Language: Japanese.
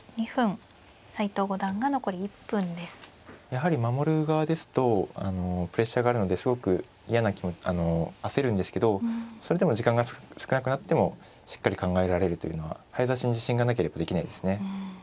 やはり守る側ですとプレッシャーがあるのですごく焦るんですけどそれでも時間が少なくなってもしっかり考えられるというのは早指しに自信がなければできないですね。